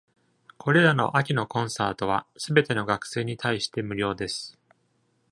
これらの秋のコンサートは、すべての学生に対して無料です。